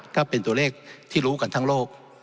ถ้าเป็นตัวเลขที่รู้กันทั้งโลก